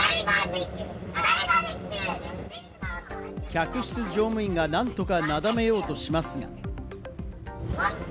客室乗務員が何とか、なだめようとしますが。